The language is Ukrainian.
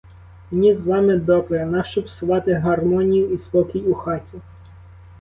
Мені з вами добре, нащо псувати гармонію і спокій у хаті?